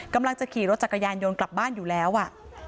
กำลังจะขี่รถจักรยานยนต์กลับบ้านอยู่แล้วอ่ะ